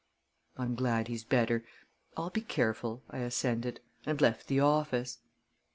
"I'm glad he's better. I'll be careful," I assented, and left the office.